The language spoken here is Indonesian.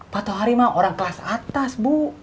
pak tuhari mah orang kelas atas bu